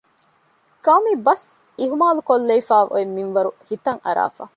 ޤައުމީ ބަސް އިހުމާލުކޮށްލެވިފައި އޮތް މިންވަރު ހިތަށް އަރައިފަ